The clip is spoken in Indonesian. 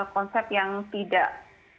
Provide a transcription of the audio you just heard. konsep yang tidak